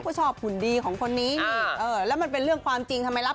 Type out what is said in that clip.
เขาชอบผลดีของคนนี้แล้วมันเป็นเรื่องความจริงทำไมรับ